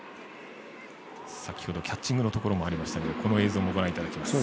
先ほどキャッチングのところもありましたけどこの映像もご覧いただきます。